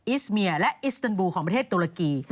อิสเมียและอิสเตอร์บูลของประเทศตุรกี